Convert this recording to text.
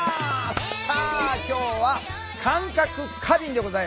さあ今日は「感覚過敏」でございます。